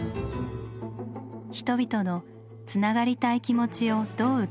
人々の「つながりたい」気持ちをどう受け止めるか。